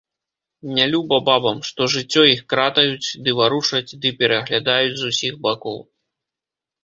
Нялюба бабам, што жыццё іх кратаюць, ды варушаць, ды пераглядаюць з усіх бакоў.